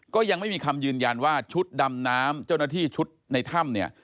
ก็ยังไม่มีคำยืนยันว่าชุดดำน้ำเจ้าหน้าที่ชุดในถ้ำเนี่ย